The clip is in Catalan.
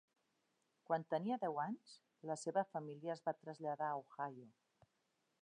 Quan tenia deu anys, la seva família es va traslladar a Ohio.